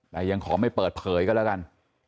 แต่ยังขอไม่เปิดเผยก็แล้วกัน